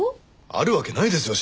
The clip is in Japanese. あるわけないですよ